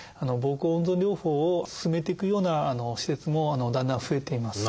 膀胱温存療法を勧めていくような施設もだんだん増えています。